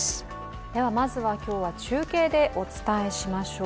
では、まずは今日は中継でお伝えしましょう。